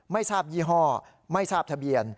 ไม่ทราบยี่ห้อไม่ทราบทะเบียน